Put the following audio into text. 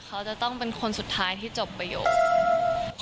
เขาจะต้องเป็นคนสุดท้ายที่จบประโยค